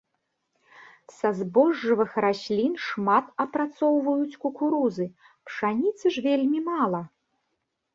Са збожжавых раслін шмат апрацоўваюць кукурузы, пшаніцы ж вельмі мала.